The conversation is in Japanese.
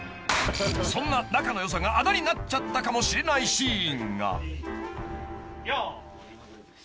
［そんな仲の良さがあだになっちゃったかもしれないシーンが］